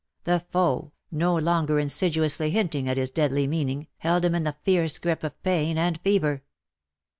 The foe, no longer insidiously hinting at his deadly meaning, held him in the fierce grip of pain and fever.